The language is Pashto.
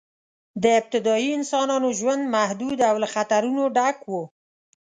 د ابتدایي انسانانو ژوند محدود او له خطرونو ډک و.